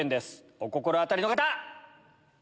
お心当たりの方！